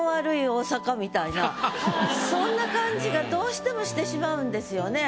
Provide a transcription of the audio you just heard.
みたいなそんな感じがどうしてもしてしまうんですよね。